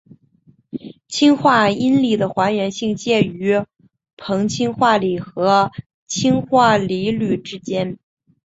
氢化铟锂的还原性介于硼氢化锂和氢化铝锂之间。